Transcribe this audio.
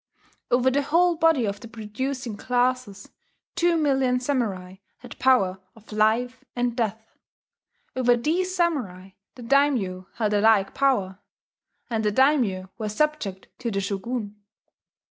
Over the whole body of the producing classes, two million samurai had power of life and death; over these samurai the daimyo held a like power; and the daimyo were subject to the Shogun.